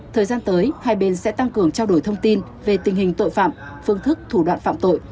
thời gian tới hai bên sẽ tăng cường trao đổi thông tin về tình hình tội phạm phương thức thủ đoạn phạm tội